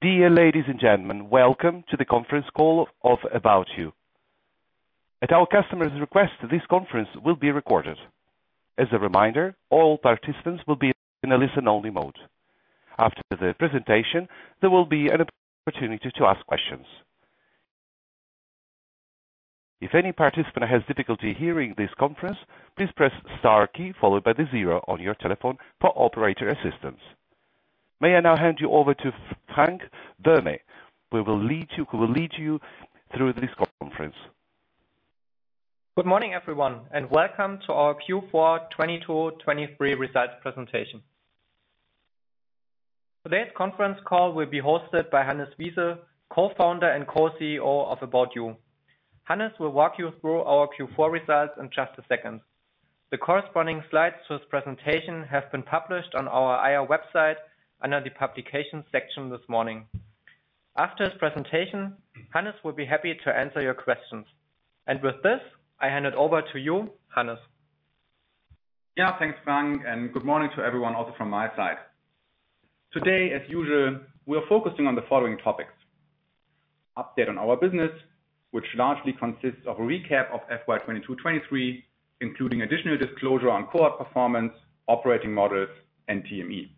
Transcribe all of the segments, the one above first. Dear ladies and gentlemen, welcome to the conference call of About You. At our customer's request, this conference will be recorded. As a reminder, all participants will be in a listen-only mode. After the presentation, there will be an opportunity to ask questions. If any participant has difficulty hearing this conference, please press star key followed by the zero on your telephone for operator assistance. May I now hand you over to Frank Böhme, who will lead you through this conference. Good morning, everyone, and welcome to our Q4 2022, 2023 results presentation. Today's conference call will be hosted by Hannes Wiese, Co-Founder and Co-CEO of About You. Hannes will walk you through our Q4 results in just a second. The corresponding slides to his presentation have been published on our IR website under the Publication section this morning. After his presentation, Hannes will be happy to answer your questions. With this, I hand it over to you, Hannes. Yeah. Thanks, Frank, good morning to everyone also from my side. Today, as usual, we are focusing on the following topics: Update on our business, which largely consists of a recap of FY 2022, 2023, including additional disclosure on cohort performance, operating models, and TME.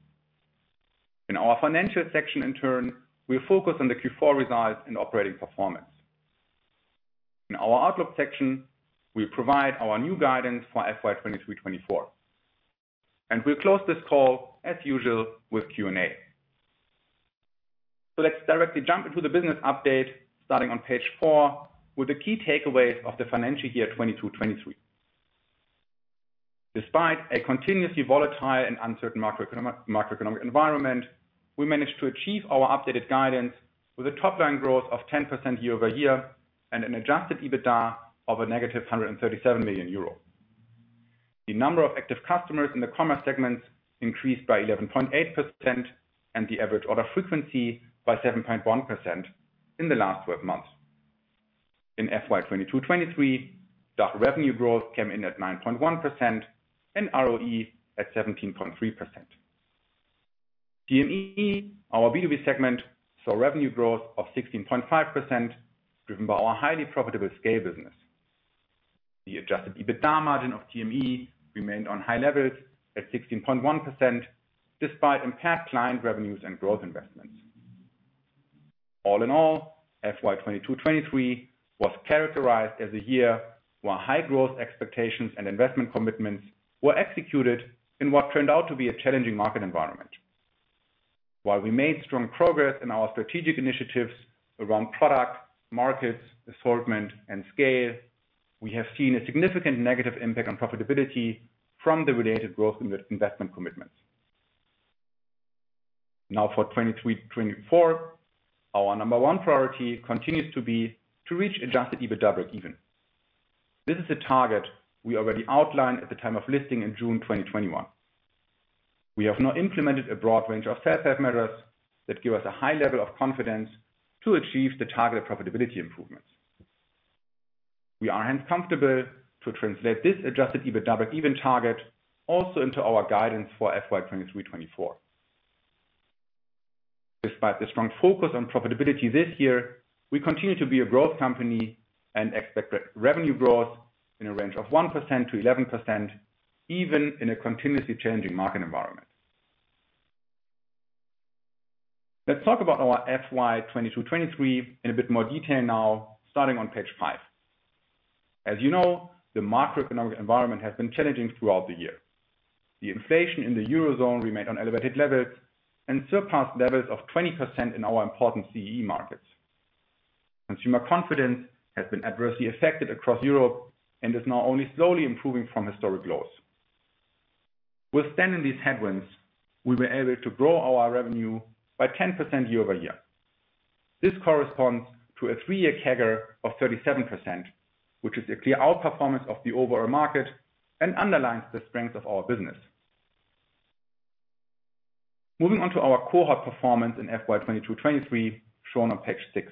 In our financial section in turn, we focus on the Q4 results and operating performance. In our outlook section, we provide our new guidance for FY 2023, 2024. We'll close this call as usual with Q&A. Let's directly jump into the business update starting on page four with the key takeaways of the financial year 2022, 2023. Despite a continuously volatile and uncertain macroeconomic environment, we managed to achieve our updated guidance with a top line growth of 10% year-over-year and an adjusted EBITDA of a negative 137 million euro. The number of active customers in the commerce segments increased by 11.8% and the average order frequency by 7.1% in the last 12 months. In FY 2022, 2023, DACH revenue growth came in at 9.1% and RoE at 17.3%. TME, our B2B segment, saw revenue growth of 16.5%, driven by our highly profitable SCAYLE business. The adjusted EBITDA margin of TME remained on high levels at 16.1% despite impact client revenues and growth investments. All in all, FY 2022, 2023 was characterized as a year where high growth expectations and investment commitments were executed in what turned out to be a challenging market environment. While we made strong progress in our strategic initiatives around products, markets, assortment, and scale, we have seen a significant negative impact on profitability from the related growth investment commitments. For 2023, 2024, our number one priority continues to be to reach adjusted EBITDA even. This is a target we already outlined at the time of listing in June 2021. We have now implemented a broad range of fair pay measures that give us a high level of confidence to achieve the targeted profitability improvements. We are hence comfortable to translate this adjusted EBITDA even target also into our guidance for FY 2023, 2024. Despite the strong focus on profitability this year, we continue to be a growth company and expect re-revenue growth in a range of 1% to 11%, even in a continuously changing market environment. Let's talk about our FY 2022, 2023 in a bit more detail now, starting on page five. As you know, the macroeconomic environment has been challenging throughout the year. The inflation in the Eurozone remained on elevated levels and surpassed levels of 20% in our important CE markets. Consumer confidence has been adversely affected across Europe and is now only slowly improving from historic lows. Withstanding these headwinds, we were able to grow our revenue by 10% year-over-year. This corresponds to a three-year CAGR of 37%, which is a clear outperformance of the overall market and underlines the strength of our business. Moving on to our cohort performance in FY 2022, 2023, shown on page six.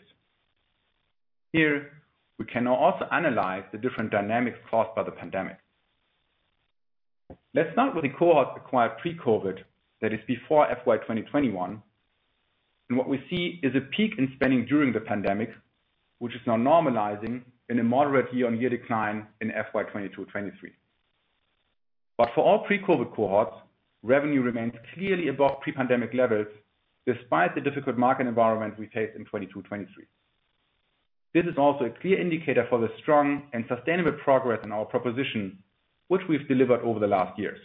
Here we can now also analyze the different dynamics caused by the pandemic. Let's start with the cohorts acquired pre-COVID, that is before FY 2021. What we see is a peak in spending during the pandemic, which is now normalizing in a moderate year-on-year decline in FY 2022, 2023. For all pre-COVID cohorts, revenue remains clearly above pre-pandemic levels despite the difficult market environment we faced in 2022, 2023. This is also a clear indicator for the strong and sustainable progress in our proposition, which we've delivered over the last years.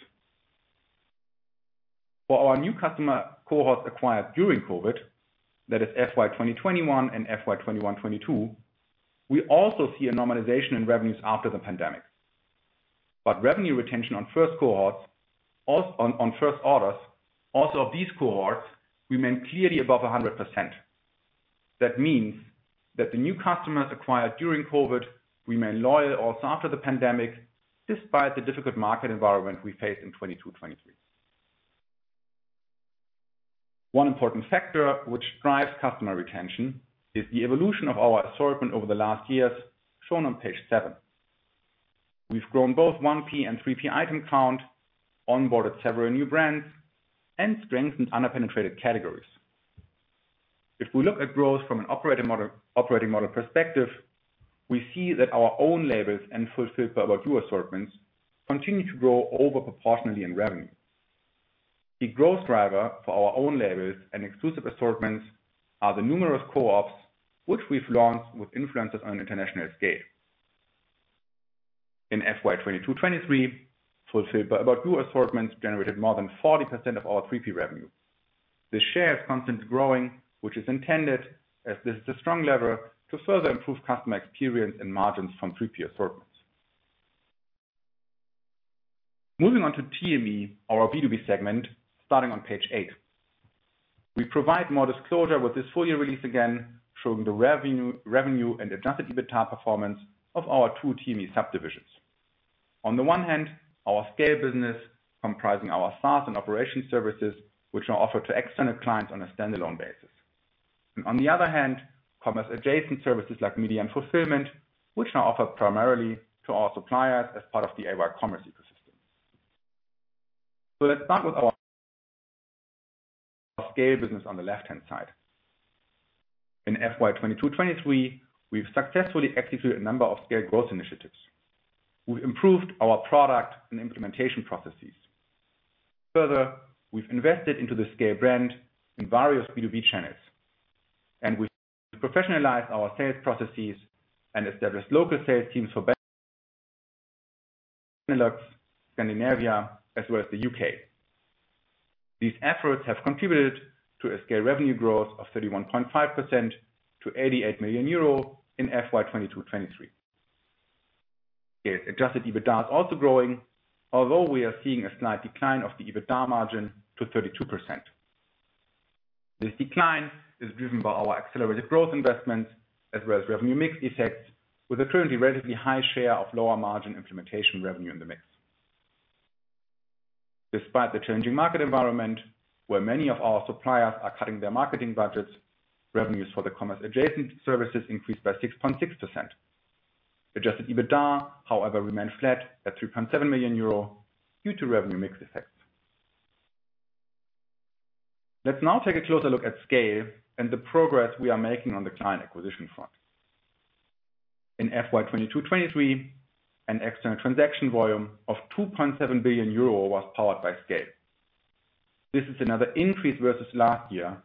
For our new customer cohorts acquired during COVID, that is FY 2021 and FY 2021, 2022, we also see a normalization in revenues after the pandemic. Revenue retention on first cohorts, on first orders, also of these cohorts, remain clearly above 100%. That means that the new customers acquired during COVID remain loyal also after the pandemic, despite the difficult market environment we faced in 2022, 2023. One important factor which drives customer retention is the evolution of our assortment over the last years, shown on page seven. We've grown both 1P and 3P item count, onboarded several new brands, and strengthened under-penetrated categories. If we look at growth from an operating model perspective, we see that our own labels and Fulfilled by ABOUT YOU assortments continue to grow over proportionally in revenue. The growth driver for our own labels and exclusive assortments are the numerous co-ops which we've launched with influencers on an international scale. In FY 2022, 2023, Fulfilled by ABOUT YOU assortments generated more than 40% of our 3P revenue. The share is constantly growing, which is intended as this is a strong lever to further improve customer experience and margins from 3P assortments. Moving on to TME, our B2B segment, starting on page eight. We provide more disclosure with this full year release again, showing the revenue and adjusted EBITDA performance of our two TME subdivisions. On the one hand, our SCAYLE business comprising our SaaS and operation services, which are offered to external clients on a standalone basis. On the other hand, commerce adjacent services like media and fulfillment, which are offered primarily to our suppliers as part of the About You commerce ecosystem. Let's start with our SCAYLE business on the left-hand side. In FY 2022-2023, we've successfully executed a number of SCAYLE growth initiatives. We've improved our product and implementation processes. Further, we've invested into the SCAYLE brand in various B2B channels, and we professionalize our sales processes and establish local sales teams for better Benelux, Scandinavia, as well as the U.K. These efforts have contributed to a SCAYLE revenue growth of 31.5% to 88 million euro in FY 2022, 2023. Adjusted EBITDA is also growing, although we are seeing a slight decline of the EBITDA margin to 32%. This decline is driven by our accelerated growth investments as well as revenue mix effects, with a currently relatively high share of lower margin implementation revenue in the mix. Despite the changing market environment, where many of our suppliers are cutting their marketing budgets, revenues for the commerce adjacent services increased by 6.6%. Adjusted EBITDA, however, remained flat at 3.7 million euro due to revenue mix effects. Let's now take a closer look at SCAYLE and the progress we are making on the client acquisition front. In FY 2022, 2023, an external transaction volume of 2.7 billion euro was powered by SCAYLE. This is another increase versus last year.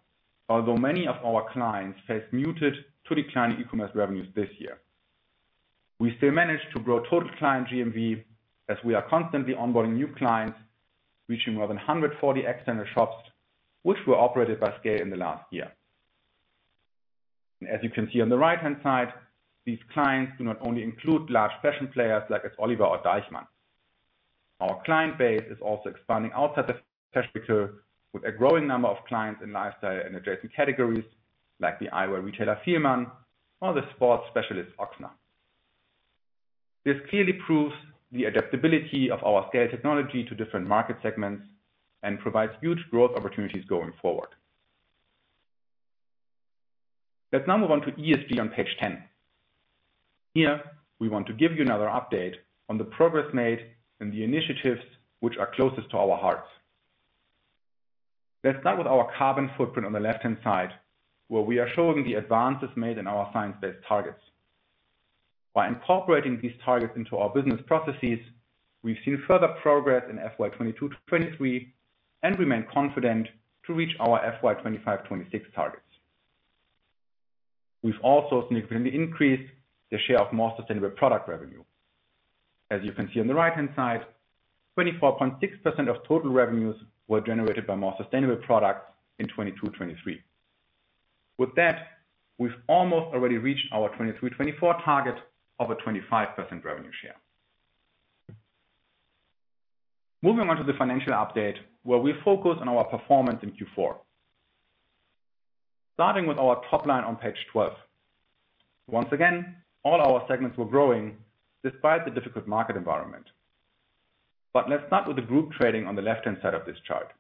Many of our clients faced muted to declining e-commerce revenues this year. We still managed to grow total client GMV as we are constantly onboarding new clients, reaching more than 140 external shops which were operated by SCAYLE in the last year. As you can see on the right-hand side, these clients do not only include large fashion players like s.Oliver or Deichmann. Our client base is also expanding outside the fashion picture with a growing number of clients in lifestyle and adjacent categories like the eyewear retailer, Fielmann, or the sports specialist, Ochsner. This clearly proves the adaptability of our SCAYLE technology to different market segments and provides huge growth opportunities going forward. Let's now move on to ESG on page 10. Here, we want to give you another update on the progress made and the initiatives which are closest to our hearts. Let's start with our carbon-footprint on the left-hand side, where we are showing the advances made in our Science Based Targets. By incorporating these targets into our business processes, we've seen further progress in FY 2022, 2023 and remain confident to reach our FY 2025, 2026 targets. We've also significantly increased the share of more sustainable product revenue. As you can see on the right-hand side, 24.6% of total revenues were generated by more sustainable products in 2022, 2023. With that, we've almost already reached our 2023, 2024 target of a 25% revenue share. Moving on to the financial update, where we focus on our performance in Q4. Starting with our top line on page 12. Once again, all our segments were growing despite the difficult market environment. Let's start with the group trading on the left-hand side of this chart.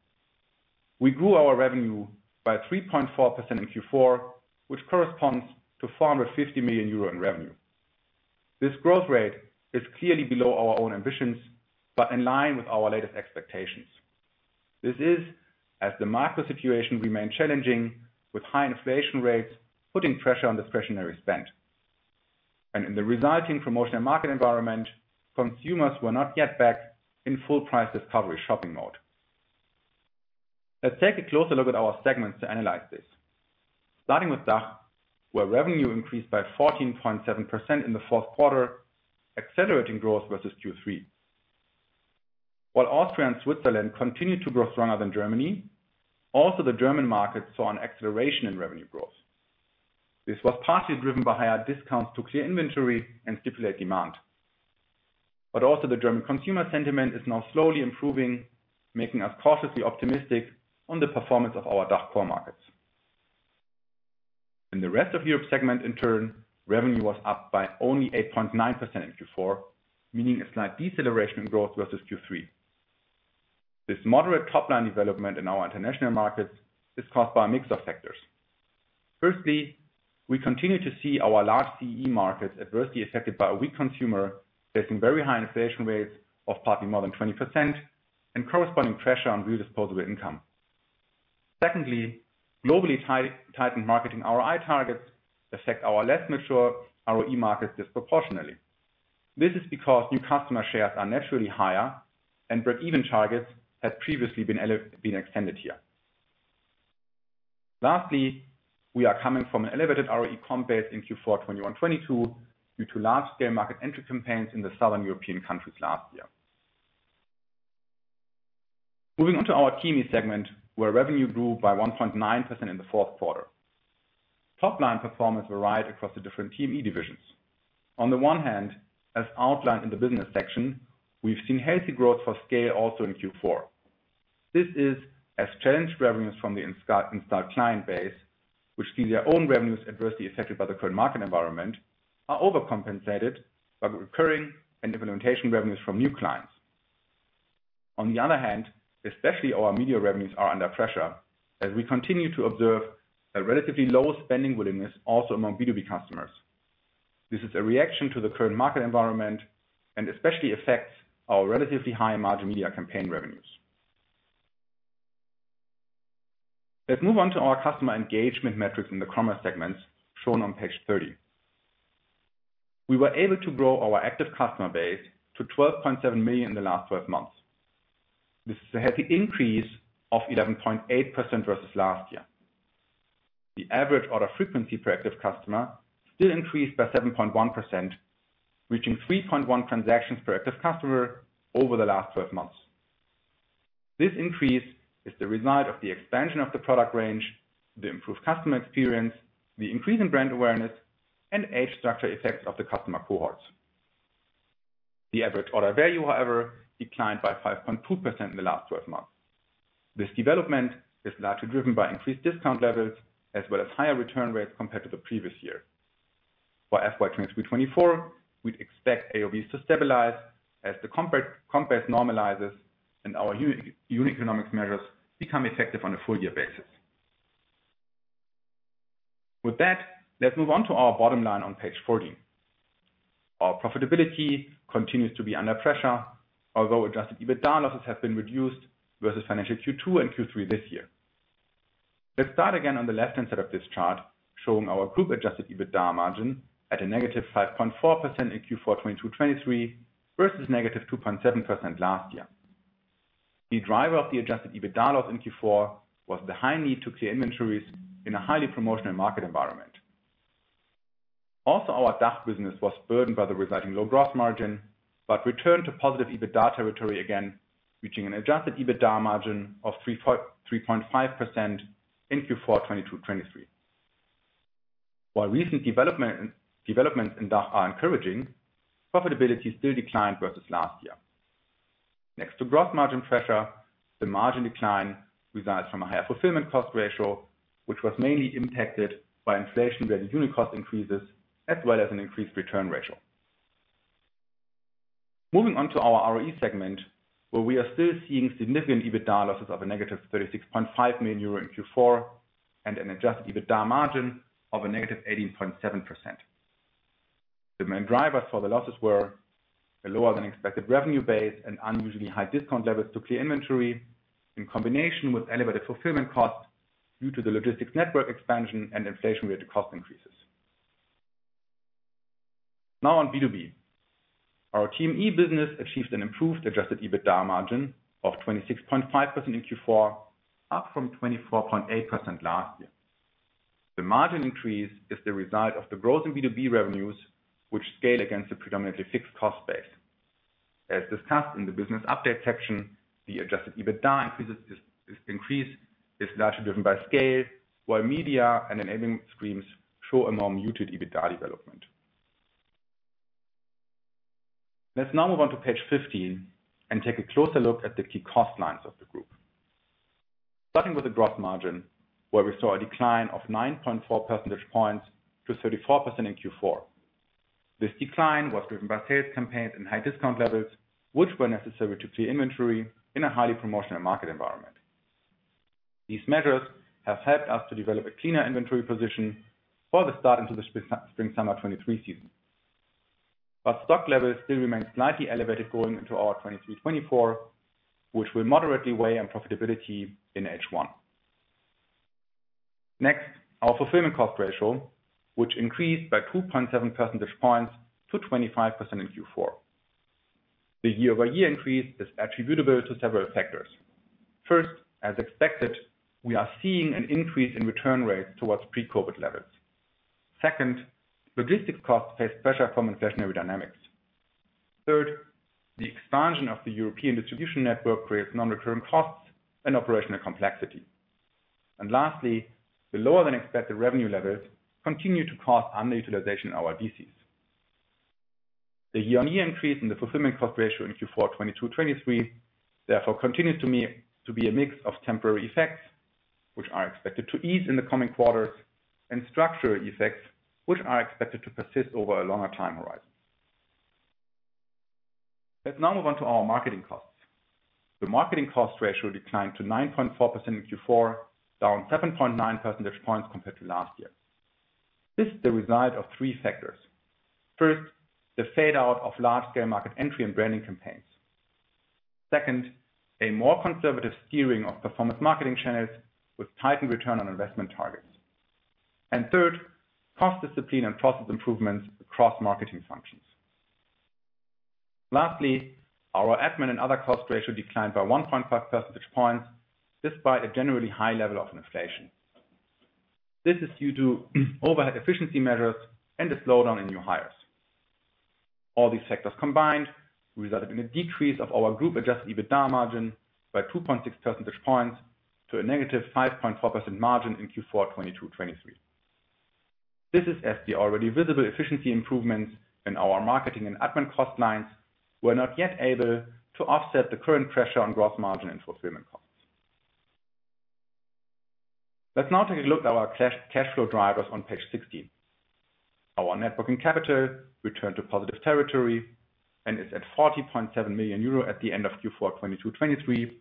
We grew our revenue by 3.4% in Q4, which corresponds to 450 million euro in revenue. This growth rate is clearly below our own ambitions, but in line with our latest expectations. This is as the market situation remained challenging, with high inflation rates putting pressure on discretionary spend. In the resulting promotional market environment, consumers were not yet back in full price recovery shopping mode. Let's take a closer look at our segments to analyze this. Starting with DACH, where revenue increased by 14.7% in the fourth quarter, accelerating growth versus Q3. While Austria and Switzerland continued to grow stronger than Germany, also the German market saw an acceleration in revenue growth. This was partly driven by higher discounts to clear inventory and stipulate demand. The German consumer sentiment is now slowly improving, making us cautiously optimistic on the performance of our DACH core markets. In the rest of Europe segment, in turn, revenue was up by only 8.9% in Q4, meaning a slight deceleration in growth versus Q3. This moderate top line development in our international markets is caused by a mix of factors. Firstly, we continue to see our large CE markets adversely affected by a weak consumer facing very high inflation rates of partly more than 20% and corresponding pressure on real disposable income. Secondly, globally tightened marketing ROI targets affect our less mature RoE markets disproportionately. This is because new customer shares are naturally higher and brevet targets have previously been extended here. Lastly, we are coming from an elevated RoE comp base in Q4 2021, 2022 due to large-scale market entry campaigns in the Southern European countries last year. Moving on to our TME segment, where revenue grew by 1.9% in the Q4. Top line performance varied across the different TME divisions. On the one hand, as outlined in the business section, we've seen healthy growth for SCAYLE also in Q4. This is as challenge revenues from the installed client base, which see their own revenues adversely affected by the current market environment, are overcompensated by recurring and implementation revenues from new clients. On the other hand, especially our media revenues are under pressure as we continue to observe a relatively low spending willingness also among B2B customers. This is a reaction to the current market environment and especially affects our relatively high margin media campaign revenues. Let's move on to our customer engagement metrics in the commerce segments shown on page 30. We were able to grow our active customer base to 12.7 million in the last 12 months. This is a healthy increase of 11.8% versus last year. The average order frequency per active customer still increased by 7.1%, reaching 3.1 transactions per active customer over the last 12 months. This increase is the result of the expansion of the product range, the improved customer experience, the increase in brand awareness, and age structure effects of the customer cohorts. The average order value, however, declined by 5.2% in the last 12 months. This development is largely driven by increased discount levels as well as higher return rates compared to the previous year. For FY 2022, 2024, we'd expect AOVs to stabilize as the company normalizes and our unique economics measures become effective on a full year basis. With that, let's move on to our bottom line on page 14. Our profitability continues to be under pressure, although adjusted EBITDA losses have been reduced versus financial Q2 and Q3 this year. Let's start again on the left-hand side of this chart, showing our group adjusted EBITDA margin at a negative 5.4% in Q4 2022, 2023 versus negative 2.7% last year. The driver of the adjusted EBITDA loss in Q4 was the high need to clear inventories in a highly promotional market environment. Also, our DACH business was burdened by the resulting low gross margin, but returned to positive EBITDA territory again, reaching an adjusted EBITDA margin of 3.5% in Q4 2022, 2023. While recent developments in DACH are encouraging, profitability still declined versus last year. Next to gross margin pressure, the margin decline resides from a higher fulfillment cost ratio, which was mainly impacted by inflation-related unit cost increases, as well as an increased return ratio. Moving on to our RoE segment, where we are still seeing significant EBITDA losses of a negative 36.5 million euro in Q4 and an adjusted EBITDA margin of a negative 18.7%. The main drivers for the losses were a lower than expected revenue base and unusually high discount levels to clear inventory in combination with elevated fulfillment costs due to the logistics network expansion and inflation-related cost increases. Now on B2B. Our TME business achieved an improved adjusted EBITDA margin of 26.5% in Q4, up from 24.8% last year. The margin increase is the result of the growth in B2B revenues, which scale against the predominantly fixed cost base. As discussed in the business update section, the adjusted EBITDA increases is increased, is largely driven by scale, while media and enabling streams show a more muted EBITDA development. Let's now move on to page 15 and take a closer look at the key cost lines of the group. Starting with the gross margin, where we saw a decline of 9.4 percentage points to 34% in Q4. This decline was driven by sales campaigns and high discount levels, which were necessary to clear inventory in a highly promotional market environment. These measures have helped us to develop a cleaner inventory position for the start into the spring and summer 2023 season. Stock levels still remain slightly elevated going into our 2023, 2024, which will moderately weigh on profitability in H1. Our fulfillment cost ratio, which increased by 2.7 percentage points to 25% in Q4. The year-over-year increase is attributable to several factors. First, as expected, we are seeing an increase in return rates towards pre-COVID levels. Second, logistics costs face pressure from inflationary dynamics. Third, the expansion of the European distribution network creates non-recurring costs and operational complexity. Lastly, the lower than expected revenue levels continue to cause underutilization of our DCs. The year-on-year increase in the fulfillment cost ratio in Q4 2022, 2023, therefore continues to be a mix of temporary effects, which are expected to ease in the coming quarters, and structural effects, which are expected to persist over a longer time horizon. Let's now move on to our marketing costs. The marketing cost ratio declined to 9.4% in Q4, down 7.9 percentage points compared to last year. This is the result of three factors. First, the fade-out of large-scale market entry and branding campaigns. Second, a more conservative steering of performance marketing channels with tightened ROI targets. Third, cost discipline and process improvements across marketing functions. Lastly, our admin and other cost ratio declined by 1.5 percentage points, despite a generally high level of inflation. This is due to overhead efficiency measures and a slowdown in new hires. All these factors combined resulted in a decrease of our group adjusted EBITDA margin by 2.6 percentage points to a negative 5.4% margin in Q4 2022, 2023. This is as the already visible efficiency improvements in our marketing and admin cost lines were not yet able to offset the current pressure on gross margin and fulfillment costs. Let's now take a look at our cash flow drivers on page 16. Our net working capital returned to positive territory and is at 40.7 million euro at the end of Q4 2022/23,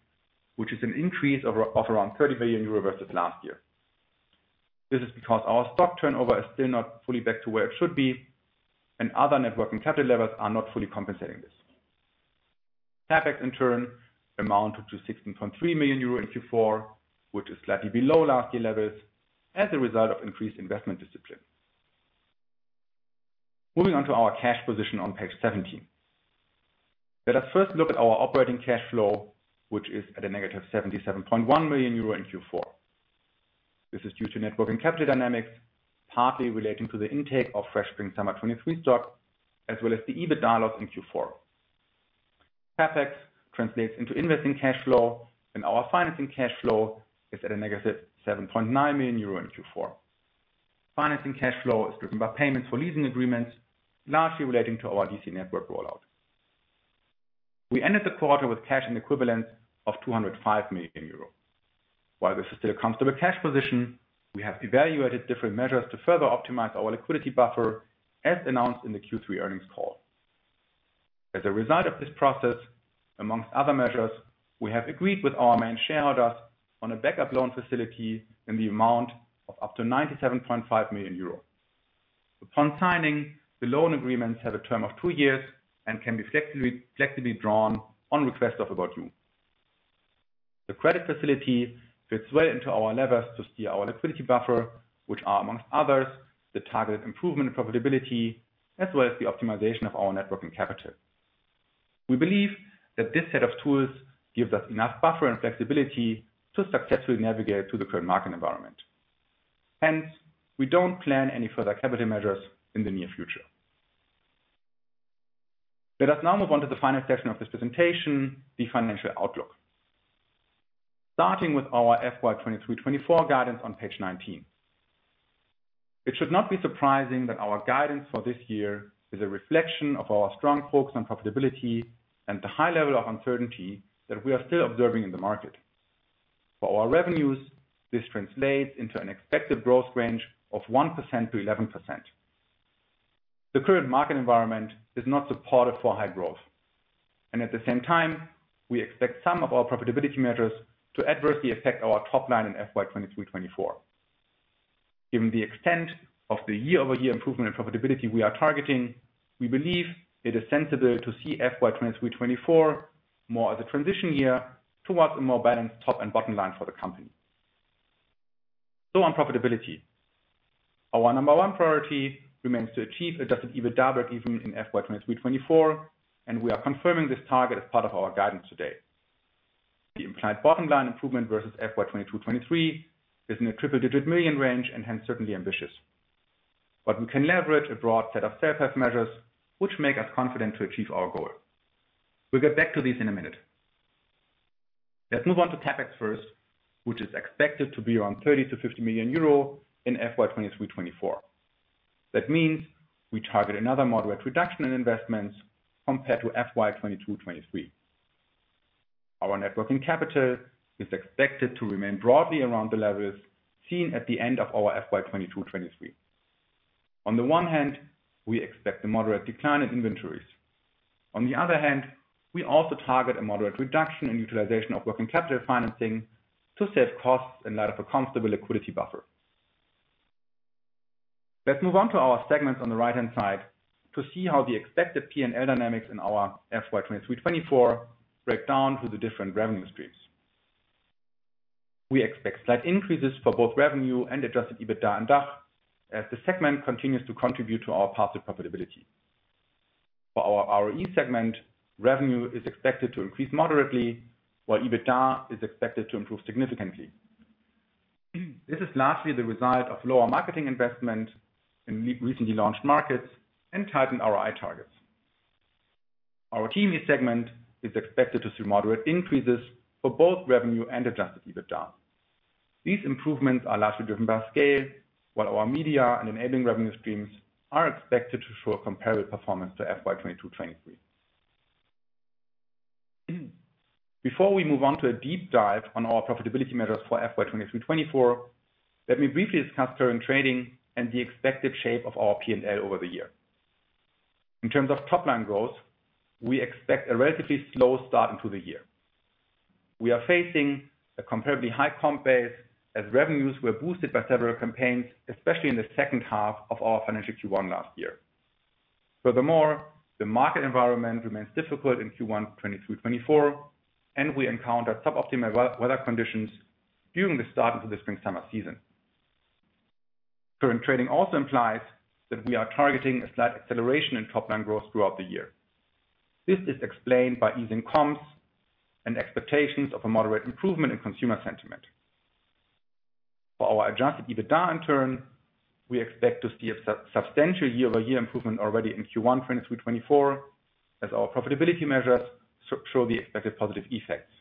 which is an increase of around 30 million euro versus last year. This is because our stock turnover is still not fully back to where it should be, and other net working capital levels are not fully compensating this. CapEx in turn amounted to 16.3 million euro in Q4, which is slightly below last year levels as a result of increased investment discipline. Moving on to our cash position on page 17. Let us first look at our operating cash flow, which is at a negative 77.1 million euro in Q4. This is due to net working capital dynamics, partly relating to the intake of fresh spring summer 2023 stock as well as the EBITDA loss in Q4. CapEx translates into investing cash flow and our financing cash flow is at a negative 7.9 million euro in Q4. Financing cash flow is driven by payments for leasing agreements, largely relating to our DC network rollout. We ended the quarter with cash and equivalent of 205 million euro. While this is still a comfortable cash position, we have evaluated different measures to further optimize our liquidity buffer as announced in the Q3 earnings call. As a result of this process, among other measures, we have agreed with our main shareholders on a back-up loan facility in the amount of up to 97.5 million euros. Upon signing, the loan agreements have a term of two years and can be flexibly drawn on request of About You. The credit facility fits well into our levers to steer our liquidity buffer, which are among others, the targeted improvement in profitability as well as the optimization of our net working capital. We believe that this set of tools gives us enough buffer and flexibility to successfully navigate through the current market environment. We don't plan any further capital measures in the near future. Let us now move on to the final section of this presentation, the financial outlook. Starting with our FY 2023, 2024 guidance on page 19. It should not be surprising that our guidance for this year is a reflection of our strong focus on profitability and the high level of uncertainty that we are still observing in the market. For our revenues, this translates into an expected growth range of 1% to 11%. The current market environment is not supportive for high growth, and at the same time, we expect some of our profitability measures to adversely affect our top line in FY 2023, 2024. Given the extent of the year-over-year improvement in profitability we are targeting, we believe it is sensible to see FY 2023, 2024 more as a transition year towards a more balanced top and bottom line for the company. On profitability, our number one priority remains to achieve adjusted EBITDA break-even in FY 2023, 2024. We are confirming this target as part of our guidance today. The implied bottom line improvement versus FY 2022, 2023 is in the EUR triple-digit million range and hence certainly ambitious. We can leverage a broad set of self-help measures which make us confident to achieve our goal. We'll get back to these in a minute. Let's move on to CapEx first, which is expected to be around 30 million-50 million euro in FY 2023, 2024. That means we target another moderate reduction in investments compared to FY 2022, 2023. Our net working capital is expected to remain broadly around the levels seen at the end of our FY 2022, 2023. On the one hand, we expect a moderate decline in inventories. On the other hand, we also target a moderate reduction in utilization of working capital financing to save costs in light of a comfortable liquidity buffer. Let's move on to our segments on the right-hand side to see how the expected P&L dynamics in our FY 2023, 2024 break down through the different revenue streams. We expect slight increases for both revenue and adjusted EBITDA in DACH as the segment continues to contribute to our positive profitability. For our RoE segment, revenue is expected to increase moderately while EBITDA is expected to improve significantly. This is largely the result of lower marketing investment in recently launched markets and tightened IR targets. Our TME segment is expected to see moderate increases for both revenue and adjusted EBITDA. These improvements are largely driven by scale, while our media and enabling revenue streams are expected to show a comparative performance to FY 2022, 2023. Before we move on to a deep dive on our profitability measures for FY 2023, 2024, let me briefly discuss current trading and the expected shape of our P&L over the year. In terms of top line growth, we expect a relatively slow start into the year. We are facing a comparatively high comp base as revenues were boosted by several campaigns, especially in the second half of our financial Q1 last year. Furthermore, the market environment remains difficult in Q1 2023, 2024, and we encountered sub-optimal weather conditions during the start of the spring, summer season. Current trading also implies that we are targeting a slight acceleration in top line growth throughout the year. This is explained by easing comps and expectations of a moderate improvement in consumer sentiment. For our adjusted EBITDA in turn, we expect to see a substantial year-over-year improvement already in Q1 2023/2024 as our profitability measures show the expected positive effects.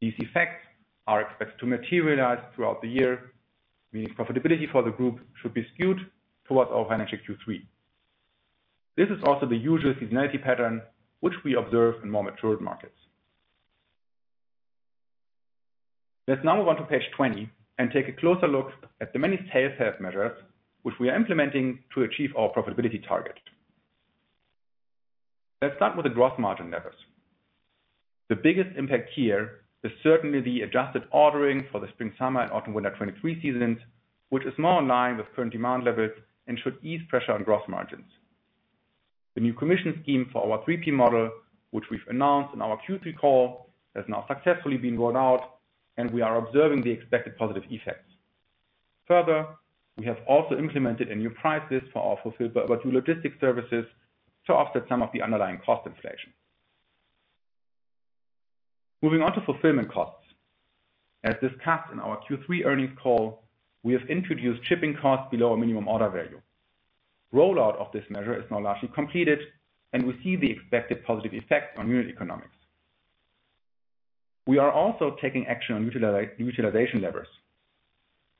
These effects are expected to materialize throughout the year, meaning profitability for the group should be skewed towards our financial Q3. This is also the usual seasonality pattern which we observe in more matured markets. Now move on to page 20 and take a closer look at the many sales measures which we are implementing to achieve our profitability target. Start with the gross margin levers. The biggest impact here is certainly the adjusted ordering for the spring, summer and autumn, winter 2023 seasons, which is more in line with current demand levels and should ease pressure on gross margins. The new commission scheme for our three-tier model, which we've announced in our Q3 call, has now successfully been rolled out and we are observing the expected positive effects. We have also implemented new prices for our Fulfilled by ABOUT YOU logistic services to offset some of the underlying cost inflation. Moving on to fulfillment costs. As discussed in our Q3 earnings call, we have introduced shipping costs below our minimum order value. Rollout of this measure is now largely completed and we see the expected positive effect on unit economics. We are also taking action on utilization levers.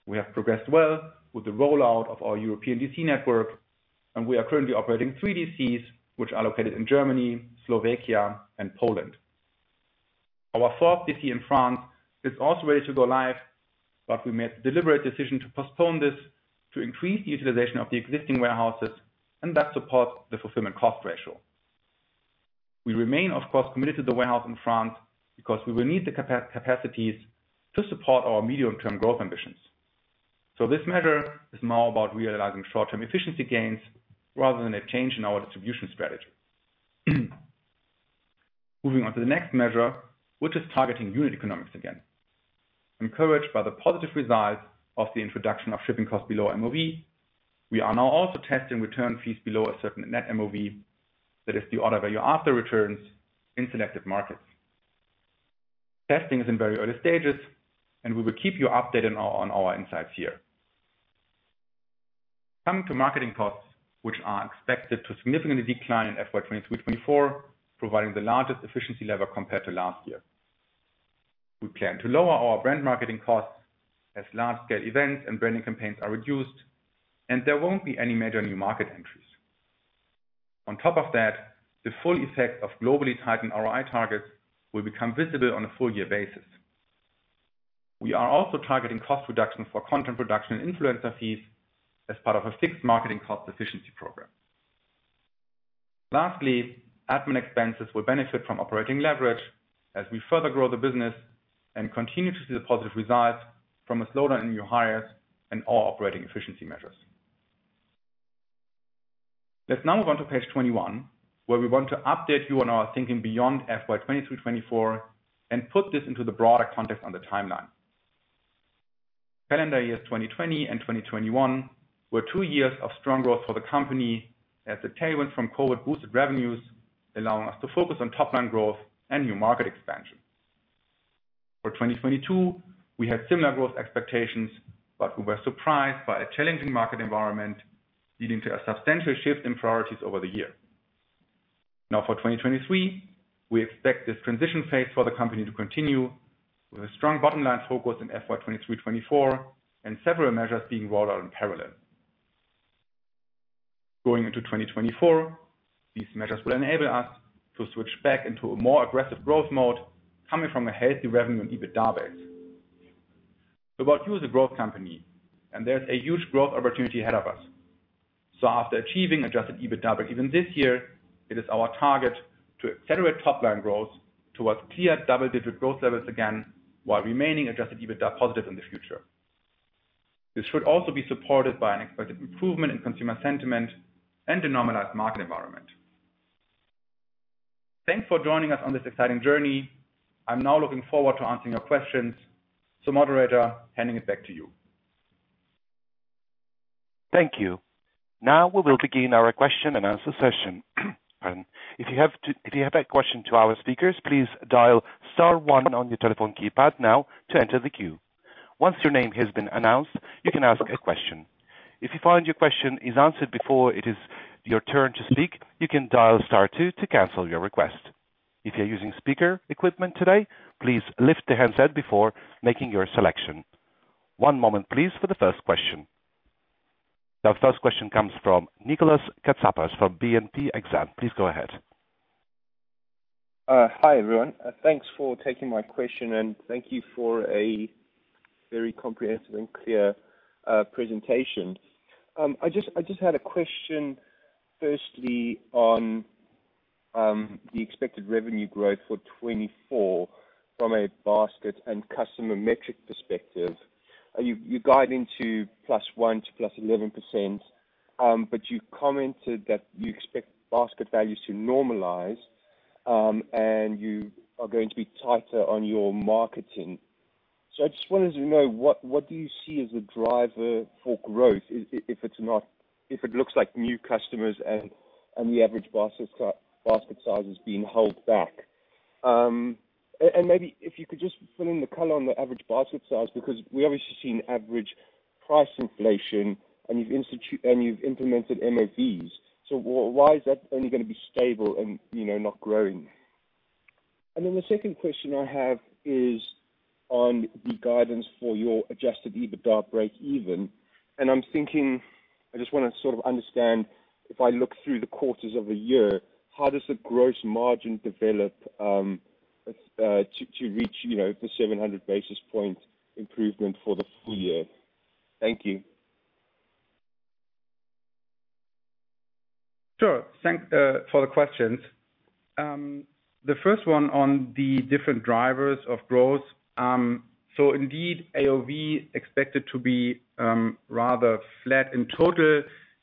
We have progressed well with the rollout of our European DC network and we are currently operating three DCs which are located in Germany, Slovakia and Poland. Our fourth DC in France is also ready to go live, we made a deliberate decision to postpone this to increase the utilization of the existing warehouses and thus support the fulfillment cost ratio. We remain, of course, committed to the warehouse in France because we will need the capacities to support our medium-term growth ambitions. This measure is more about realizing short-term efficiency gains rather than a change in our distribution strategy. Moving on to the next measure, which is targeting unit economics again. Encouraged by the positive results of the introduction of shipping costs below MOV, we are now also testing return fees below a certain Net MOV. That is the order value after returns in selected markets. Testing is in very early stages we will keep you updated on our insights here. Coming to marketing costs, which are expected to significantly decline in FY 2023, 2024, providing the largest efficiency level compared to last year. We plan to lower our brand marketing costs as large scale events and branding campaigns are reduced and there won't be any major new market entries. On top of that, the full effect of globally tightened ROI targets will become visible on a full year basis. We are also targeting cost reductions for content production and influencer fees as part of a fixed marketing cost efficiency program. Lastly, admin expenses will benefit from operating leverage as we further grow the business and continue to see the positive results from a slowdown in new hires and our operating efficiency measures. Let's now move on to page 21, where we want to update you on our thinking beyond FY 2023, 2024 and put this into the broader context on the timeline. Calendar years 2020 and 2021 were two years of strong growth for the company as the tailwind from COVID boosted revenues, allowing us to focus on top line growth and new market expansion. For 2022, we had similar growth expectations, but we were surprised by a challenging market environment leading to a substantial shift in priorities over the year. For 2023, we expect this transition phase for the company to continue with a strong bottom line focus in FY 2023, 2024 and several measures being rolled out in parallel. Going into 2024, these measures will enable us to switch back into a more aggressive growth mode coming from a healthy revenue and EBITDA base. About You as a growth company and there's a huge growth opportunity ahead of us. After achieving adjusted EBITDA even this year, it is our target to accelerate top line growth towards clear double-digit growth levels again while remaining adjusted EBITDA positive in the future. This should also be supported by an expected improvement in consumer sentiment and a normalized market environment. Thanks for joining us on this exciting journey. I'm now looking forward to answering your questions. Moderator, handing it back to you. Thank you. We will begin our question and answer session. Pardon. If you have a question to our speakers, please dial star one on your telephone keypad now to enter the queue. Once your name has been announced, you can ask a question. If you find your question is answered before it is your turn to speak, you can dial star two to cancel your request. If you're using speaker equipment today, please lift the handset before making your selection. One moment please for the first question. Our first question comes from Nicolas Katsapas from BNP Exane. Please go ahead. Hi, everyone. Thanks for taking my question. Thank you for a very comprehensive and clear presentation. I just had a question firstly on the expected revenue growth for 2024 from a basket and customer metric perspective. Are you're guiding to +1% to +11%, but you commented that you expect basket values to normalize, and you are going to be tighter on your marketing. I just wanted to know what do you see as a driver for growth if it looks like new customers and the average basket size is being held back? Maybe if you could just fill in the color on the average basket size, because we obviously have seen average price inflation, and you've implemented MOVs. Why is that only gonna be stable and, you know, not growing? Then the second question I have is on the guidance for your adjusted EBITDA breakeven. I'm thinking, I just wanna sort of understand, if I look through the courses of a year, how does the gross margin develop, to reach, you know, the 700 basis points improvement for the full year? Thank you. Sure. Thank for the questions. The first one on the different drivers of growth. Indeed, AOV expected to be rather flat in total,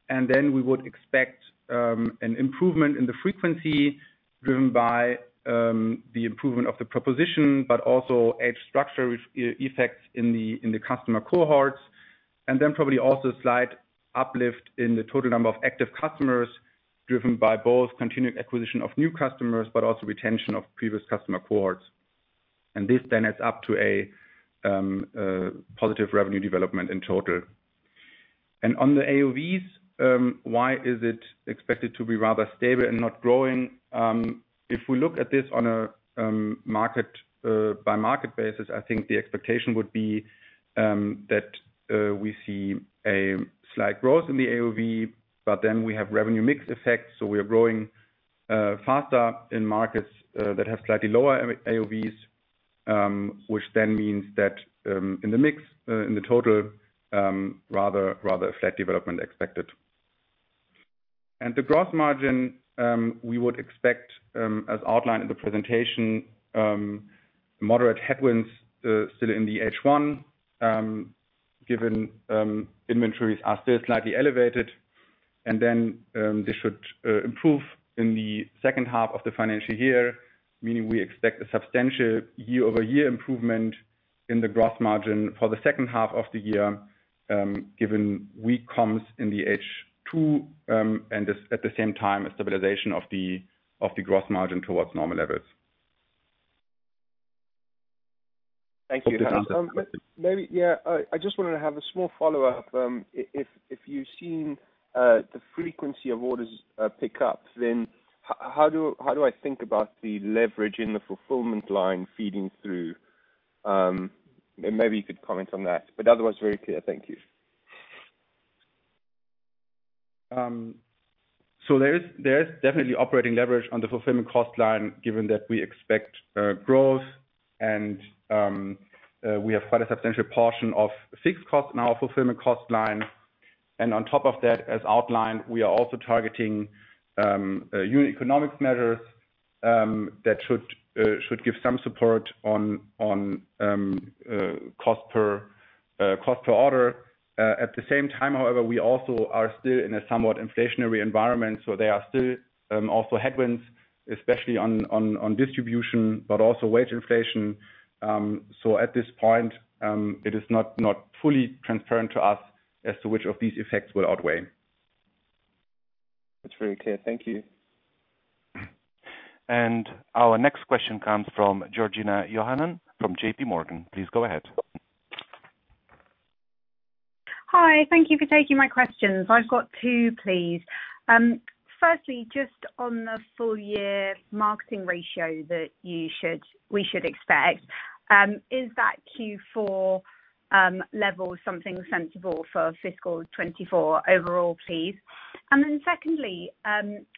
and then we would expect an improvement in the frequency driven by the improvement of the proposition, but also age structure with e-effects in the, in the customer cohorts, and then probably also slight uplift in the total number of active customers driven by both continued acquisition of new customers but also retention of previous customer cohorts. This then adds up to a positive revenue development in total. On the AOVs, why is it expected to be rather stable and not growing? If we look at this on a market by market basis, I think the expectation would be that we see a slight growth in the AOV, but then we have revenue mix effects. We are growing faster in markets that have slightly lower AOV, AOVs, which then means that in the mix, in the total, rather flat development expected. The gross margin, we would expect as outlined in the presentation, moderate headwinds still in the H1, given inventories are still slightly elevated. They should improve in the second half of the financial year, meaning we expect a substantial year-over-year improvement in the gross margin for the second half of the year, given weak comms in the H2, and this at the same time, a stabilization of the gross margin towards normal levels. Thank you. Hope this answers the question. Maybe, yeah, I just wanted to have a small follow-up. If you've seen the frequency of orders pick up, then how do I think about the leverage in the fulfillment line feeding through? Maybe you could comment on that, but otherwise very clear. Thank you. There is definitely operating leverage on the fulfillment cost line given that we expect growth and we have quite a substantial portion of fixed cost in our fulfillment cost line. On top of that, as outlined, we are also targeting unit economics measures that should give some support on cost per order. At the same time, however, we also are still in a somewhat inflationary environment, so there are still also headwinds, especially on distribution, but also wage inflation. At this point, it is not fully transparent to us as to which of these effects will outweigh. That's very clear. Thank you. Our next question comes from Georgina Johanan from JP Morgan. Please go ahead. Hi. Thank you for taking my questions. I've got two, please. Firstly, just on the full year marketing ratio that we should expect, is that Q4 level something sensible for fiscal 2024 overall, please? Secondly,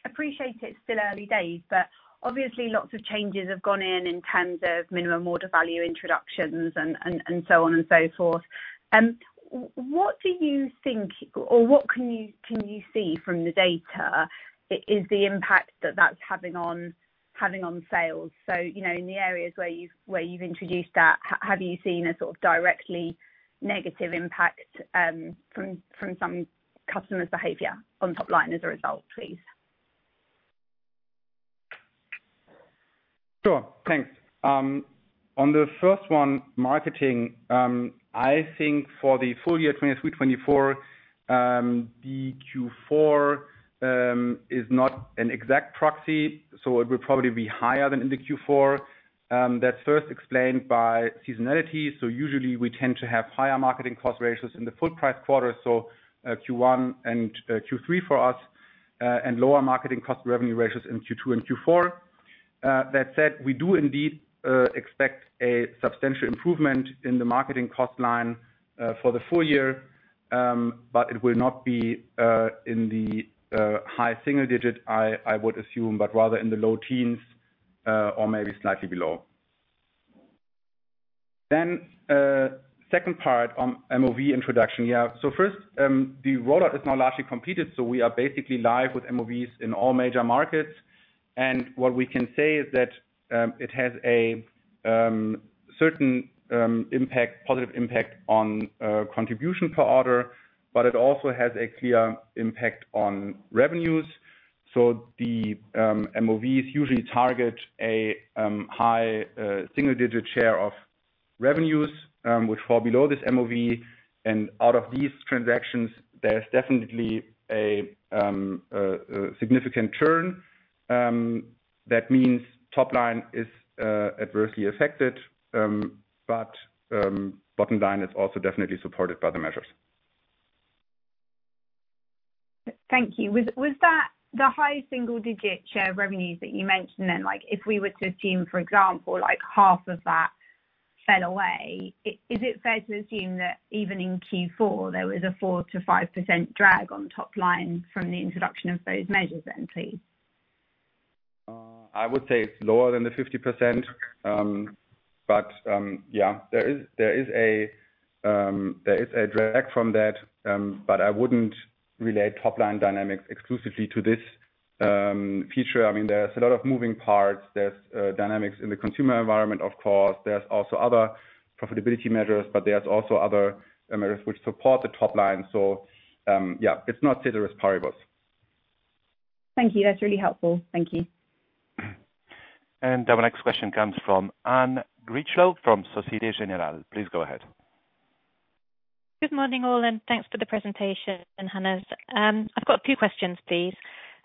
appreciate it's still early days, but obviously lots of changes have gone in terms of minimum order value introductions and so on and so forth. What do you think, or what can you see from the data is the impact that that's having on sales? You know, in the areas where you've introduced that, have you seen a sort of directly negative impact from some customers' behavior on top line as a result, please? Sure. Thanks. On the first one, marketing, I think for the full year 2023, 2024, the Q4 is not an exact proxy, so it will probably be higher than in the Q4. That's first explained by seasonality. Usually we tend to have higher marketing cost ratios in the full price quarter, Q1 and Q3 for us, and lower marketing cost revenue ratios in Q2 and Q4. That said, we do indeed expect a substantial improvement in the marketing cost line for the full year. But it will be not be in the high single-digit, I would assume, but rather in the low teens, or maybe slightly below. Second part on MOV introduction. Yeah. First, the rollout is now largely completed, we are basically live with MOVs in all major markets. What we can say is that, it has a certain impact, positive impact on contribution per order, but it also has a clear impact on revenues. The MOVs usually target a high single-digit share of revenues, which fall below this MOV. Out of these transactions, there's definitely a significant churn. That means top line is adversely affected. Bottom line is also definitely supported by the measures. Thank you. Was that the high single digit share of revenues that you mentioned then? Like, if we were to assume, for example, like half of that fell away, is it fair to assume that even in Q4, there was a 4% to 5% drag on top line from the introduction of those measures then, please? I would say it's lower than the 50%. Yeah. There is, there is a, there is a drag from that. I wouldn't relate top line dynamics exclusively to this feature. I mean, there's a lot of moving parts. There's dynamics in the consumer environment, of course. There's also other profitability measures, but there's also other measures which support the top line. Yeah, it's not Thank you. That's really helpful. Thank you. Our next question comes from Anne Critchlow from Societe Generale. Please go ahead. Good morning, all, and thanks for the presentation, Hannes. I've got two questions, please.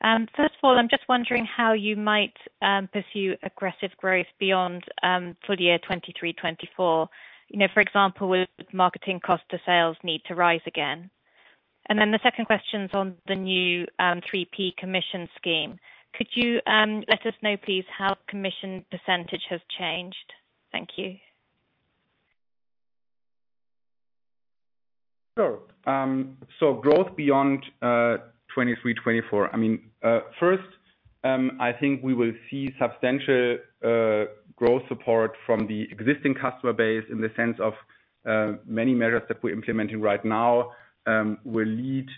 First of all, I'm just wondering how you might pursue aggressive growth beyond full year 2023, 2024. You know, for example, will marketing cost to sales need to rise again? The second question's on the new 3P commission scheme. Could you let us know please, how commission % has changed? Thank you. Sure. Growth beyond 2023, 2024. I mean, first, I think we will see substantial growth support from the existing customer base in the sense of many measures that we're implementing right now will lead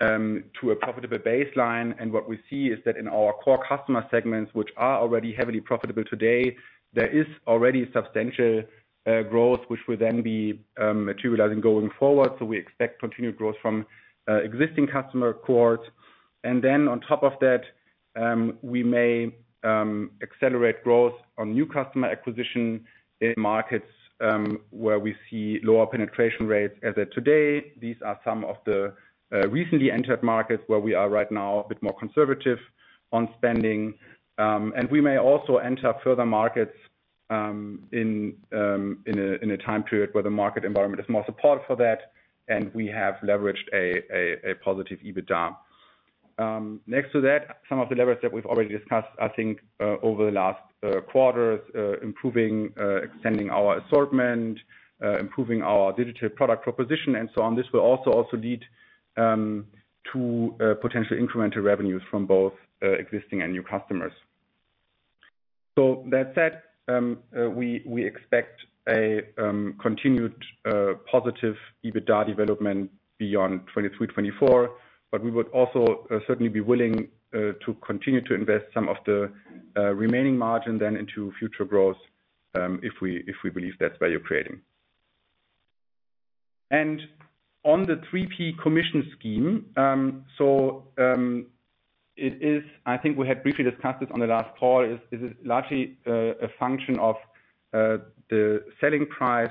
to a profitable baseline. What we see is that in our core customer segments, which are already heavily profitable today, there is already substantial growth, which will then be materializing going forward. We expect continued growth from existing customer cohorts. On top of that, we may accelerate growth on new customer acquisition in markets where we see lower penetration rates as of today. These are some of the recently entered markets where we are right now a bit more conservative on spending. We may also enter further markets in a time period where the market environment is more supportive for that, and we have leveraged a positive EBITDA. Next to that, some of the levers that we've already discussed, I think, over the last quarters, improving, extending our assortment, improving our digital product proposition and so on. This will also lead to potential incremental revenues from both existing and new customers. That said, we expect a continued positive EBITDA development beyond 2023, 2024, but we would also certainly be willing to continue to invest some of the remaining margin then into future growth, if we believe that's value creating. On the 3P commission scheme, it is... I think we had briefly discussed this on the last call. It is largely a function of the selling price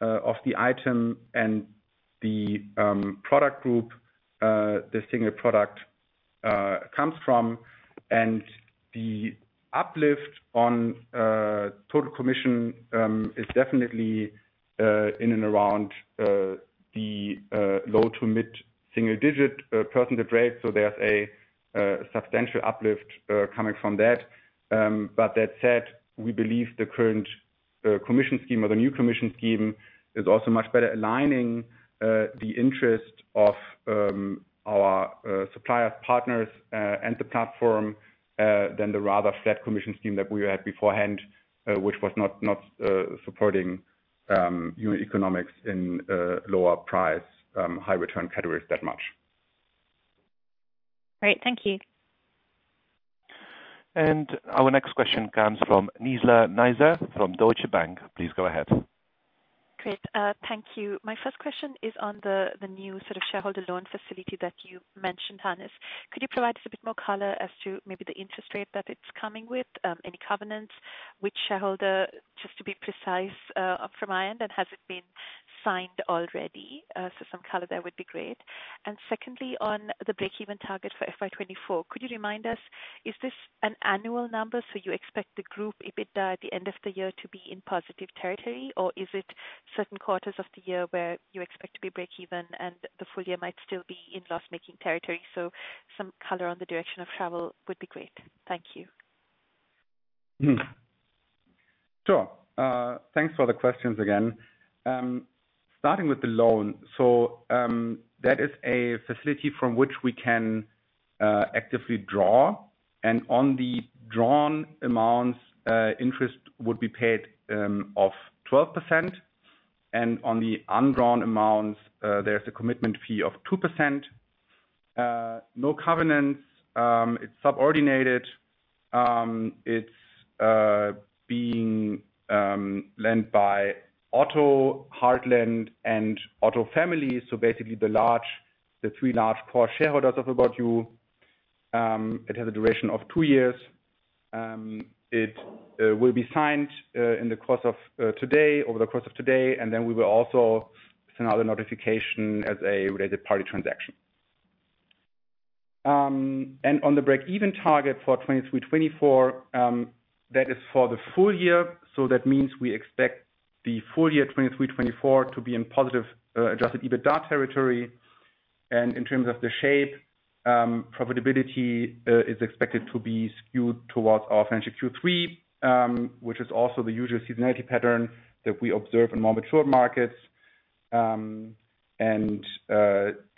of the item and the product group the single product comes from. The uplift on total commission is definitely in and around the low to mid single-digit percentage rate. There's a substantial uplift coming from that. That said, we believe the current commission scheme or the new commission scheme is also much better aligning the interest of our supplier partners and the platform than the rather flat commission scheme that we had before-hand, which was not supporting unit economics in lower price high return categories that much. Great. Thank you. Our next question comes from Nizla Naizer from Deutsche Bank. Please go ahead. Great. Thank you. My first question is on the new sort of shareholder loan facility that you mentioned, Hannes. Could you provide us a bit more color as to maybe the interest rate that it's coming with? Any covenants? Which shareholder, just to be precise, from Ion, and has it been signed already? Some color there would be great. Secondly, on the breakeven target for FY 2024, could you remind us, is this an annual number, so you expect the group EBITDA at the end of the year to be in positive territory? Or is it certain quarters of the year where you expect to be breakeven and the full year might still be in loss-making territory? Some color on the direction of travel would be great. Thank you. Sure. Thanks for the questions again. Starting with the loan. That is a facility from which we can actively draw. On the drawn amounts, interest would be paid of 12%, and on the undrawn amounts, there's a commitment fee of 2%. No covenants. It's subordinated. It's being lent by Otto, Heartland and Otto family. Basically the three large core shareholders of About You. It has a duration of twi years. It will be signed over the course of today. We will also send out a notification as a related party transaction. On the break-even target for 2023-2024, that is for the full year. That means we expect the full year 2023, 2024 to be in positive adjusted EBITDA territory. In terms of the shape, profitability is expected to be skewed towards our financial Q3, which is also the usual seasonality pattern that we observe in more mature markets.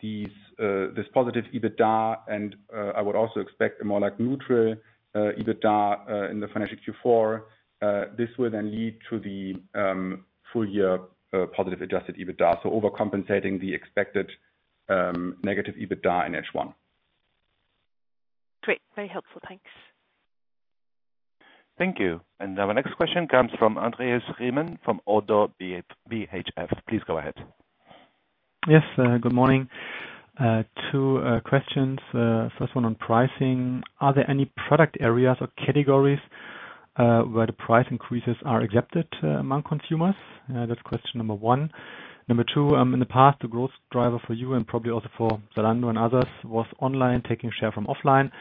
these this positive EBITDA and I would also expect a more like neutral EBITDA in the financial Q4. This will then lead to the full year positive adjusted EBITDA. Overcompensating the expected negative EBITDA in H1. Great. Very helpful. Thanks. Thank you. Our next question comes from Andreas Riemann from Oddo BHF. Please go ahead. Good morning. Two questions. First one on pricing. Are there any product areas or categories where the price increases are accepted among consumers? That's question number one. Number two, in the past, the growth driver for you and probably also for Zalando and others, was online taking share from offline.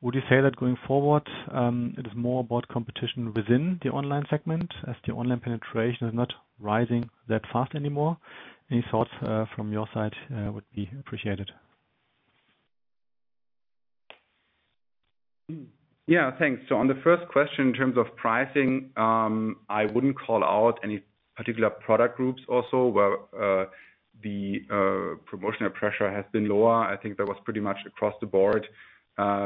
Would you say that going forward, it is more about competition within the online segment as the online penetration is not rising that fast anymore? Any thoughts from your side would be appreciated. Yeah, thanks. On the first question, in terms of pricing, I wouldn't call out any particular product groups also where the promotional pressure has been lower. I think that was pretty much across the board.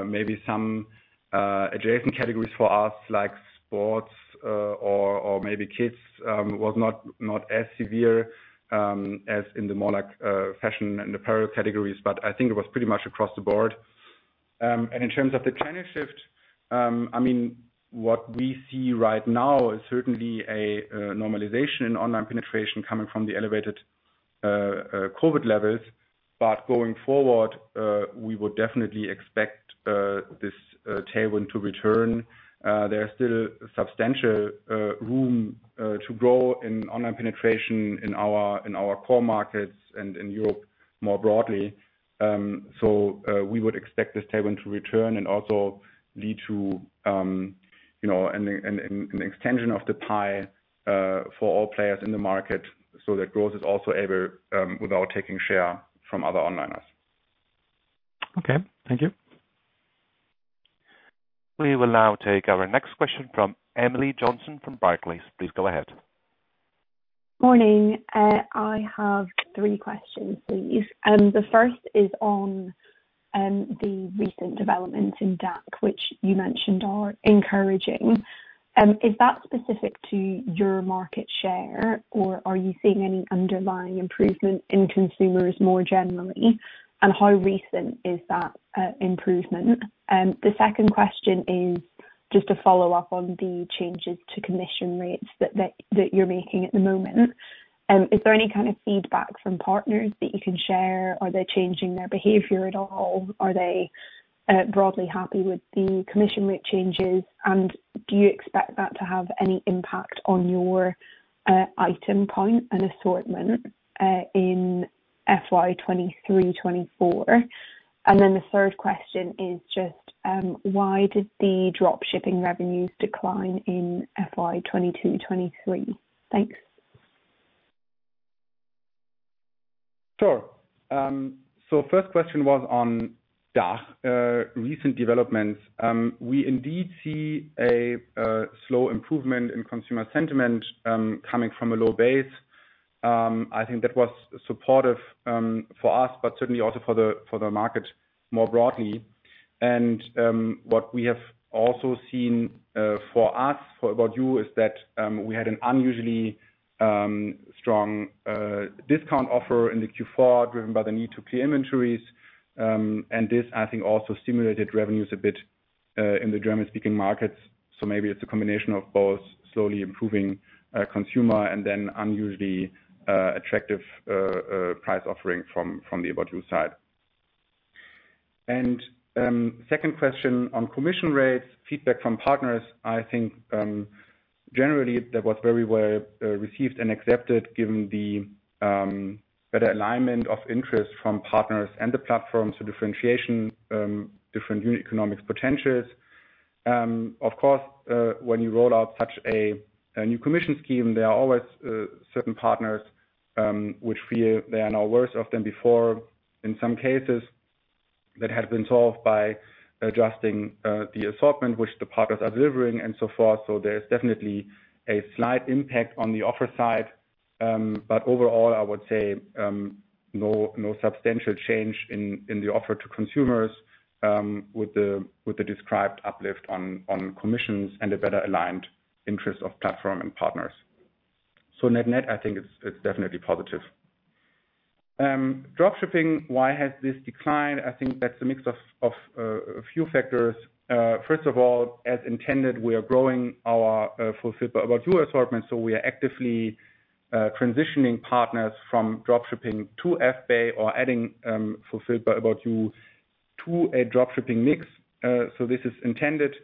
Maybe some adjacent categories for us, like sports, or maybe kids, was not as severe as in the more like fashion and apparel categories. I think it was pretty much across the board. In terms of the channel shift, I mean, what we see right now is certainly a normalization in online penetration coming from the elevated COVID levels. Going forward, we would definitely expect this tailwind to return. There are still substantial room to grow in online penetration in our, in our core markets and in Europe more broadly. We would expect this tailwind to return and also lead to, you know, an extension of the pie, for all players in the market, so that growth is also able without taking share from other on liners. Okay. Thank you. We will now take our next question from Emily Johnson from Barclays. Please go ahead. Morning. I have three questions, please. The first is on the recent developments in DACH, which you mentioned are encouraging. Is that specific to your market share or are you seeing any underlying improvement in consumers more generally? How recent is that improvement? The second question is just a follow-up on the changes to commission rates that you're making at the moment. Is there any kind of feedback from partners that you can share? Are they changing their behavior at all? Are they broadly happy with the commission rate changes? Do you expect that to have any impact on your item point and assortment in FY 2023, 2024? The third question is just, why did the drop shipping revenues decline in FY 2022, 2023? Sure. First question was on DACH, recent developments. We indeed see a slow improvement in consumer sentiment, coming from a low base. I think that was supportive for us, but certainly also for the market more broadly. What we have also seen for us, for About You, is that we had an unusually strong discount offer in the Q4, driven by the need to clear inventories. This, I think, also stimulated revenues a bit in the German-speaking markets. Maybe it's a combination of both slowly improving consumer and then unusually attractive price offering from the About You side. Second question on commission rates, feedback from partners. I think generally that was very well received and accepted given the better alignment of interest from partners and the platforms to differentiation, different unit economics potentials. Of course, when you roll out such a new commission scheme, there are always certain partners which feel they are now worse off than before in some cases. That had been solved by adjusting the assortment which the partners are delivering and so forth. There's definitely a slight impact on the offer side. Overall, I would say no substantial change in the offer to consumers with the described uplift on commissions and a better aligned interest of platform and partners. Net-net, I think it's definitely positive. Drop-shipping, why has this declined? I think that's a mix of a few factors. First of all, as intended, we are growing our Fulfilled by Otto assortment, so we are actively transitioning partners from drop-shipping to FBAY or adding Fulfilled by Otto to a drop-shipping mix. This is intended.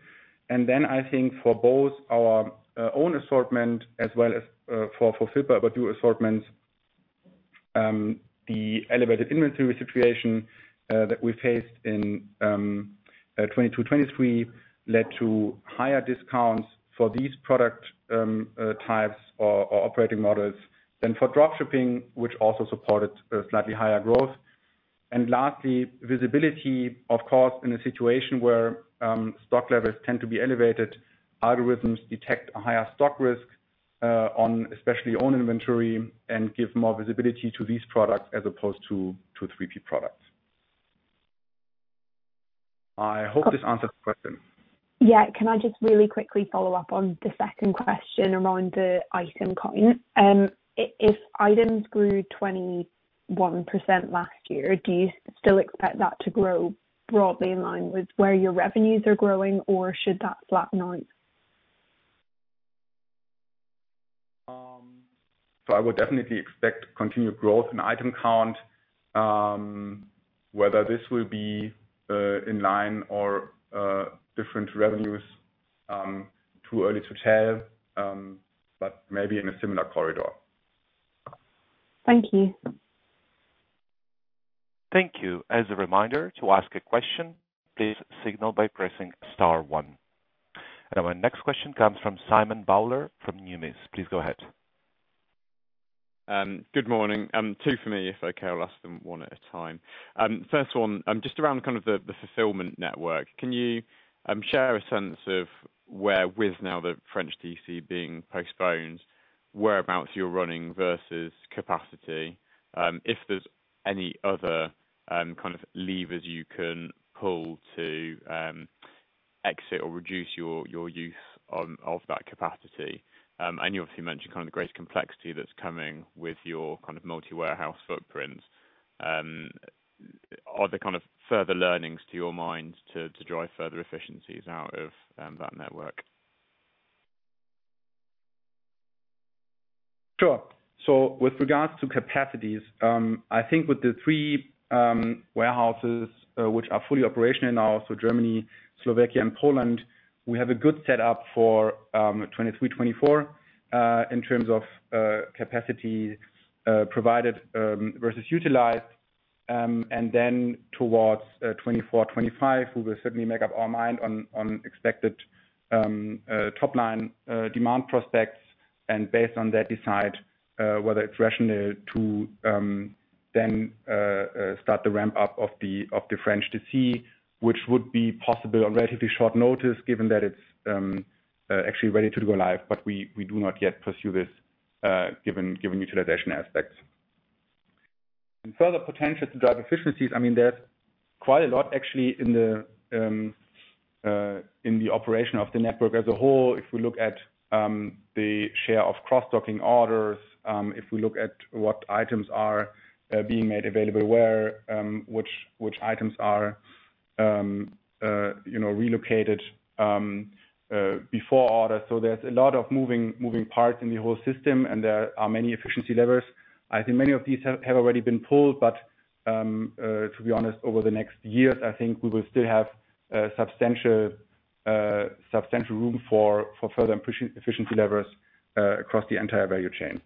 I think for both our own assortment as well as for Fulfilled by Otto assortment, the elevated inventory situation that we faced in 2022, 2023 led to higher discounts for these product types or operating models than for drop-shipping, which also supported a slightly higher growth. Lastly, visibility. Of course, in a situation where stock levels tend to be elevated, algorithms detect a higher stock risk on especially own inventory and give more visibility to these products as opposed to 3P products. I hope this answers the question. Can I just really quickly follow up on the second question around the item count? If items grew 21% last year, do you still expect that to grow broadly in line with where your revenues are growing, or should that flatten out? I would definitely expect continued growth in item count. Whether this will be in line or different revenues, too early to tell, but maybe in a similar corridor. Thank you. Thank you. As a reminder, to ask a question, please signal by pressing star one. Our next question comes from Simon Bowler from Numis. Please go ahead. Good morning. Two for me, if okay. I'll ask them one at a time. First one, just around kind of the fulfillment network. Can you share a sense of where, with now the French DC being postponed, whereabouts you're running versus capacity? If there's any other kind of levers you can pull to exit or reduce your use of that capacity. You obviously mentioned kind of the greater complexity that's coming with your kind of multi-warehouse footprint. Are there kind of further learnings to your mind to drive further efficiencies out of that network? Sure. With regards to capacities, I think with the three warehouses, which are fully operational now, Germany, Slovakia and Poland, we have a good set up for 2023, 2024, in terms of capacity provided versus utilized. Towards 2024, 2025, we will certainly make up our mind on expected top line demand prospects and based on that decide whether it's rational to then start the ramp up of the French DC, which would be possible on relatively short notice given that it's actually ready to go live. We do not yet pursue this given utilization aspects. Further potential to drive efficiencies, I mean, there's quite a lot actually in the operation of the network as a whole. If we look at the share of cross-docking orders, if we look at what items are being made available where, which items are, you know, relocated before order. There's a lot of moving parts in the whole system, and there are many efficiency levers. I think many of these have already been pulled. To be honest, over the next years, I think we will still have substantial room for further efficiency levers across the entire value chain.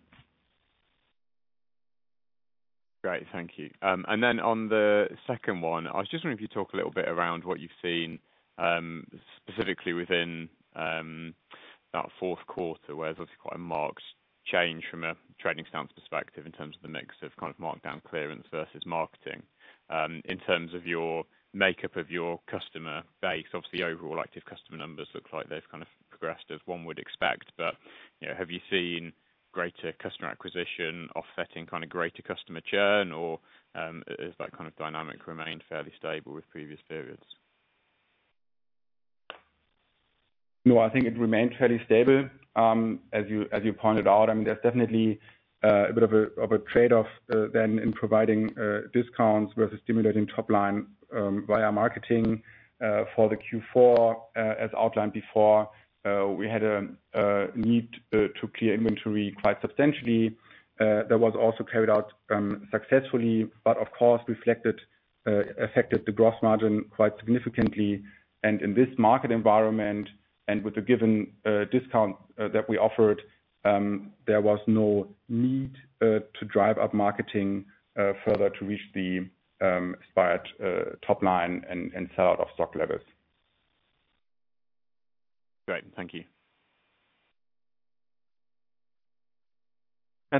Great. Thank you. On the second one, I was just wondering if you talk a little bit around what you've seen, specifically within, that fourth quarter, where there's obviously quite a marked change from a trading stance perspective in terms of the mix of kind of markdown clearance versus marketing. In terms of your makeup of your customer base, obviously overall active customer numbers look like they've kind of progressed as one would expect. You know, have you seen greater customer acquisition offsetting kind of greater customer churn, or, has that kind of dynamic remained fairly stable with previous periods? I think it remained fairly stable. As you pointed out, I mean, there's definitely a bit of a trade-off then in providing discounts versus stimulating top line via marketing for the Q4. As outlined before, we had a need to clear inventory quite substantially. That was also carried out successfully, but of course affected the gross margin quite significantly. In this market environment and with the given discount that we offered, there was no need to drive up marketing further to reach the aspired top line and sell out of stock levels. Great. Thank you.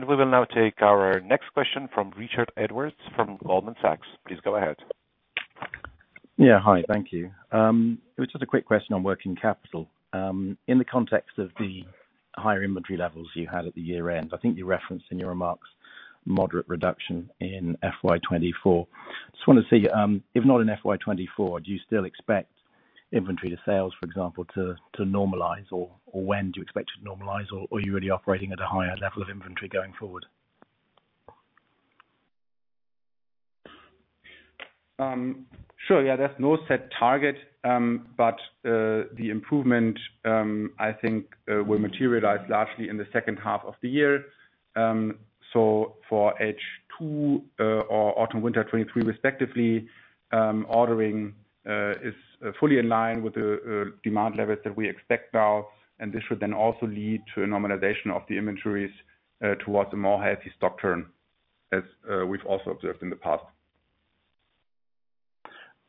We will now take our next question from Richard Edwards from Goldman Sachs. Please go ahead. Yeah. Hi, thank you. It was just a quick question on working capital. In the context of the higher inventory levels you had at the year-end. I think you referenced in your remarks moderate reduction in FY 2024. Just wanna see, if not in FY 2024, do you still expect inventory to sales, for example, to normalize or when do you expect to normalize, or are you really operating at a higher level of inventory going forward? Sure. Yeah, there's no set target, but the improvement, I think, will materialize largely in the second half of the year. For H2, or autumn winter 23 respectively, ordering is fully in line with the demand levels that we expect now, and this should then also lead to a normalization of the inventories, towards a more healthy stock turn, as we've also observed in the past.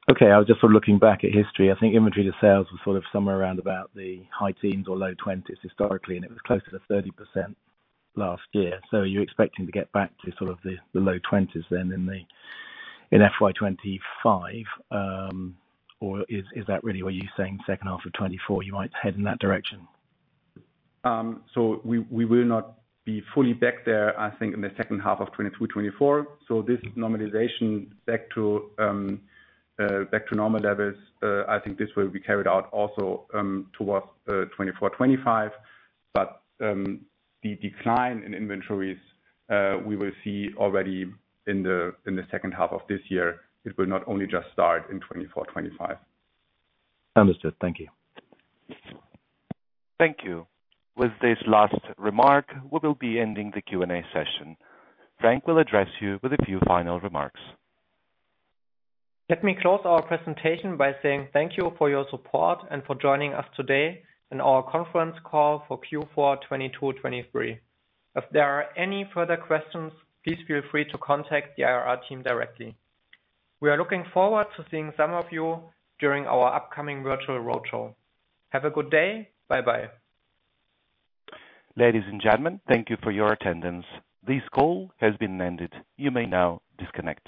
Okay. I was just sort of looking back at history. I think inventory to sales was sort of somewhere around about the high teens or low twenties historically, and it was closer to 30% last year. Are you expecting to get back to sort of the low twenties then in FY 2025? Or is that really what you're saying, second half of 2024, you might head in that direction? We, we will not be fully back there, I think, in the H2 of 2022/2024. This normalization back to normal levels, I think this will be carried out also towards 2024/2025. The decline in inventories, we will see already in the H2 of this year. It will not only just start in 2024/2025. Understood. Thank you. Thank you. With this last remark, we will be ending the Q&A session. Frank will address you with a few final remarks. Let me close our presentation by saying thank you for your support and for joining us today in our conference call for Q4 2022/2023. If there are any further questions, please feel free to contact the IR team directly. We are looking forward to seeing some of you during our upcoming virtual roadshow. Have a good day. Bye-bye. Ladies and gentlemen, thank you for your attendance. This call has been ended. You may now disconnect.